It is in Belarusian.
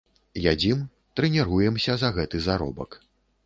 Ядзім, трэніруемся за гэты заробак.